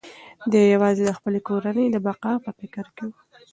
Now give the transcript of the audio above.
دی یوازې د خپلې کورنۍ د بقا په فکر کې و.